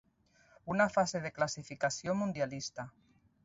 Una fase de classificació mundialista.